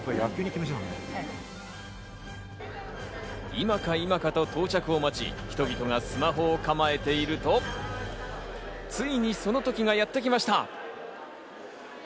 今か今かと到着を待ち、人々がスマホを構えていると、ついにその時がやってきました。